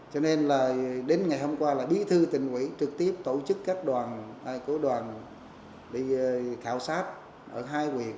cho nên là đến ngày hôm qua là bí thư tỉnh quỹ trực tiếp tổ chức các đoàn của đoàn đi khảo sát ở hai quyệt